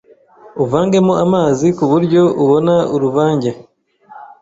uvangemo amazi ku buryo ubona uruvange